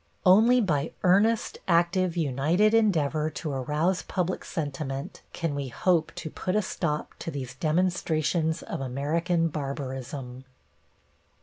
Only by earnest, active, united endeavor to arouse public sentiment can we hope to put a stop to these demonstrations of American barbarism.